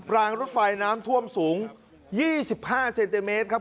รางรถไฟน้ำท่วมสูงยี่สิบห้าเซนติเมตรครับ